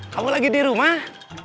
kamu lagi di rumah